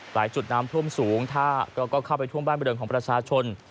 หลายจุดน้ำท่วมสูงถ้าก็เข้าไปท่วมบ้านบริเวณของประชาชน